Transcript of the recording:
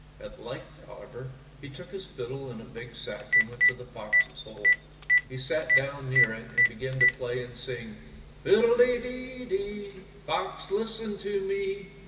At length, however, he took his fiddle and a big sack and went to the fox's hole. He sat down near it and began to play and sing: — "Fiddle de dee, Fox, listen to me!